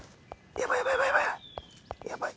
やばいやばいやばい！